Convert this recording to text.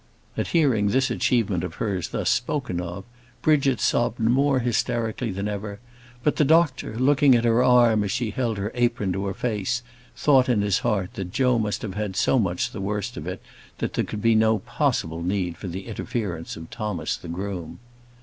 At hearing this achievement of hers thus spoken of, Bridget sobbed more hysterically than ever; but the doctor, looking at her arm as she held her apron to her face, thought in his heart that Joe must have had so much the worst of it, that there could be no possible need for the interference of Thomas the groom.